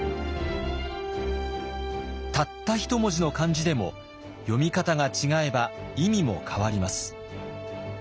たった一文字の漢字でも読み方が違えば意味も変わります。